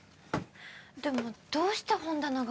でもどうして本棚が。